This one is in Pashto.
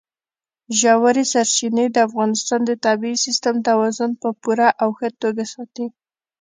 ژورې سرچینې د افغانستان د طبعي سیسټم توازن په پوره او ښه توګه ساتي.